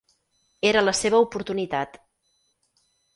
Era la seva oportunitat.